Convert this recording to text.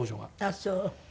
ああそう。